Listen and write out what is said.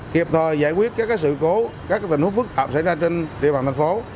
kịp thời giải quyết các sự cố các tình huống phức tạp xảy ra trên địa bàn thành phố